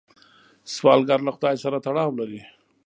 سوالګر له خدای سره تړاو لري